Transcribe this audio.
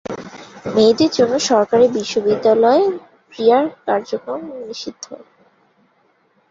মেয়েদের জন্য সরকারি বিদ্যালয়ে ক্রীড়া কার্যক্রম নিষিদ্ধ।